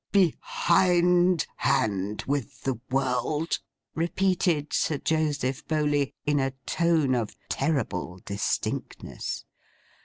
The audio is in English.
'Behind hand with the world!' repeated Sir Joseph Bowley, in a tone of terrible distinctness.